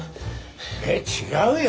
え違うよ。